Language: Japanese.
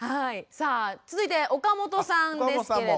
さあ続いて岡本さんですけれども。